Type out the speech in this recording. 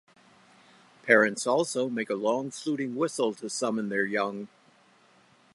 Parents also make a long fluting whistle to summon their young.